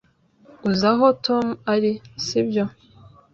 Uzi aho Tom ari, sibyo?